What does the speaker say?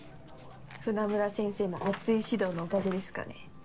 船村先生の熱い指導のおかげですかね。